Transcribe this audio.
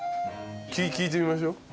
聞いてみましょう。